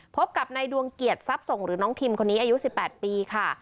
พบกับในดวงเกียรติทรัพย์ส่งหรือน้องทิมคนนี้อายุ๑๘ปีค่ะ